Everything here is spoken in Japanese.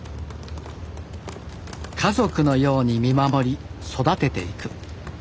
家族のように見守り育てていく。